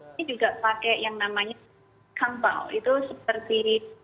ini juga pakai yang namanya kampau itu seperti